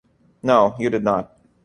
No, you did not.